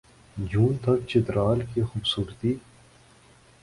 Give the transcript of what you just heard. جون تک چترال کی خوبصورتی